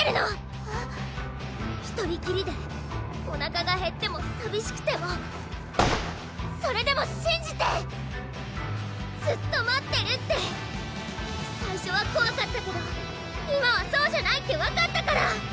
１人きりでおなかがへってもさびしくてもそれでもしんじてずっと待ってるって最初はこわかったけど今はそうじゃないって分かったから！